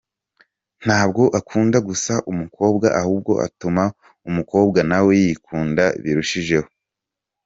Ntabwo akunda gusa umukobwa ahubwo atuma umukobwa nawe yikunda birushijeho.